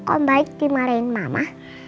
om baik dimarahin mama